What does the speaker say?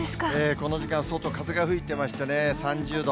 この時間、外、風が吹いてましてね、３０度。